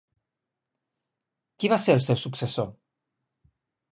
Qui va ser el seu successor?